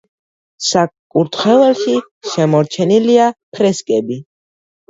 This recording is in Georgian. საკურთხეველში შემორჩენილია ფრესკები.